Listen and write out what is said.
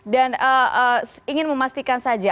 dan ingin memastikan saja